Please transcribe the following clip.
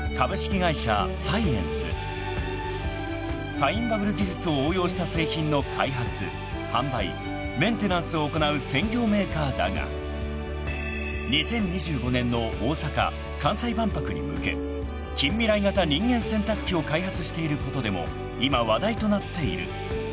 ［ファインバブル技術を応用した製品の開発・販売・メンテナンスを行う専業メーカーだが２０２５年の大阪・関西万博に向け近未来型人間洗濯機を開発していることでも今話題となっている］